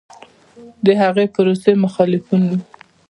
د هغې پروسې مخالفین و